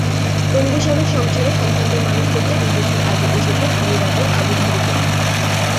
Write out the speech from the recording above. পঙ্গু স্বামীর সংসারে সন্তানদের মানুষ করতে দুই বছর আগে এসেছেন আমিরাতের আবুধাবিতে।